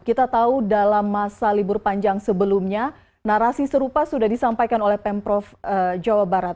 kita tahu dalam masa libur panjang sebelumnya narasi serupa sudah disampaikan oleh pemprov jawa barat